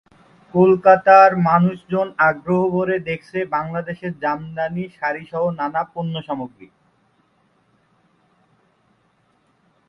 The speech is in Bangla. কলকাতার মানুষজন আগ্রহভরে দেখছে বাংলাদেশের জামদানি শাড়িসহ নানা পণ্যসামগ্রী।